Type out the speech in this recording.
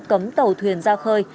cấm tàu thuyền ra khơi